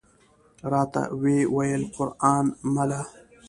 راته وې ویل: قران مله!